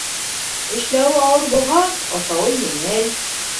Эшләүе ауыр булһа, ашауы еңел.